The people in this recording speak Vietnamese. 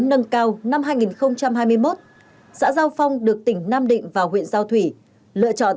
nâng cao năm hai nghìn hai mươi một xã giao phong được tỉnh nam định và huyện giao thủy lựa chọn